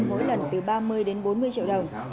mỗi lần từ ba mươi đến bốn mươi triệu đồng